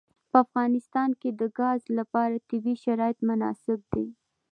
په افغانستان کې د ګاز لپاره طبیعي شرایط مناسب دي.